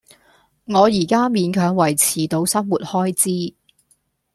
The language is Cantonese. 我而家勉強維持到生活開支